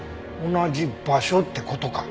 同じ場所って事か。